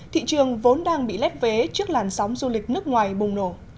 thị trường vốn đang bị lép vế trước làn sóng du lịch nước ngoài bùng nổ